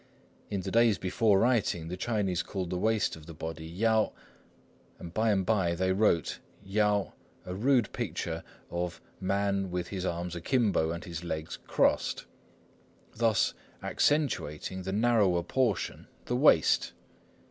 In the days before writing, the Chinese called the waist of the body yao. By and by they wrote 要, a rude picture of man with his arms akimbo and his legs crossed, thus accentuating the narrower portion, the waist.